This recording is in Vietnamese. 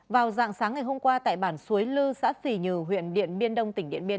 vào dạng sáng ngày hôm qua tại bản suối lư xã phì nhừ huyện điện biên đông tỉnh điện biên